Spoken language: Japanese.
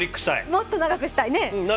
もっと長くしたいね。